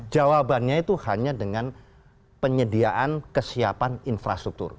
jawabannya itu hanya dengan penyediaan kesiapan infrastruktur